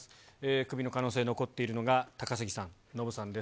クビの可能性、残っているのが、高杉さん、ノブさんです。